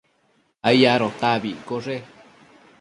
ai adota abi iccoshe